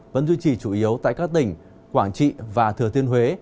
vẫn duy trì chủ yếu tại các tỉnh quảng trị và thừa thiên huế